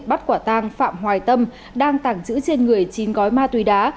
bắt quả tàng phạm hoài tâm đang tảng trữ trên người chín gói ma túy đá